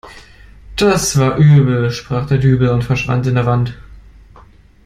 Das ist übel sprach der Dübel und verschwand in der Wand.